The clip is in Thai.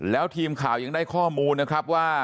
แล้วทีมข่าวยังได้ข้อมูลนะครับว่า